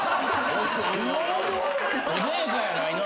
穏やかやないな。